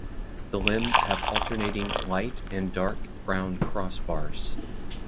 The limbs have alternating light and dark brown cross bars.